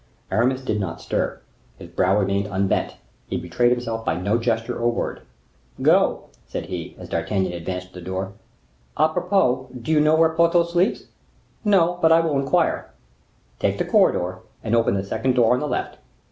Aramis did not stir, his brow remained unbent, he betrayed himself by no gesture or word; "Go," said he, as D'Artagnan advanced to the door. "A propos, do you know where Porthos sleeps?" "No, but I will inquire." "Take the corridor, and open the second door on the left."